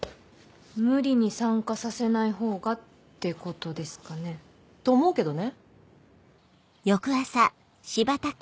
無理に参加させないほうがってことですかね。と思うけどね。